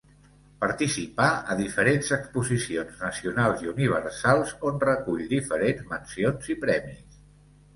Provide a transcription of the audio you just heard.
Participà a Diferents Exposicions Nacionals i Universals on recull diferents mencions i premis.